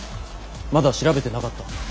まだ調べてなかった。